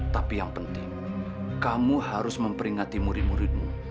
tapi yang penting kamu harus memperingati murid muridmu